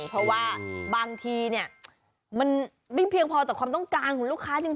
เพราะว่าบางทีเนี่ยมันไม่เพียงพอต่อความต้องการของลูกค้าจริง